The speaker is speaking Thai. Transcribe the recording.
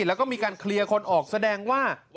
แล้วก็มีการเคลียร์คนออกแสดงว่า